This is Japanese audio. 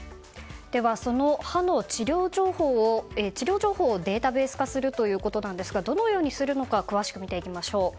では、歯の治療情報をデータベース化するということなんですがどのようにするのか詳しく見ていきましょう。